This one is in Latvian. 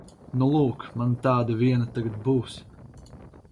Nu lūk, man tāda viena tagad būs.